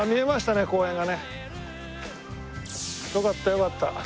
よかったよかった。